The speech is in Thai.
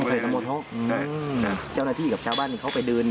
อื้อฮือจ้าหน้าที่กับจ้าบ้านนี่เขาไปเดิน